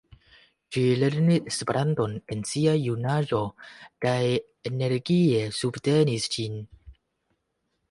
Ŝi lernis Esperanton en sia junaĝo kaj energie subtenis ĝin.